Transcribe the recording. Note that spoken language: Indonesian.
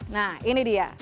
nah ini dia